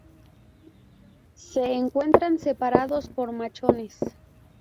Se encuentran separados por machones.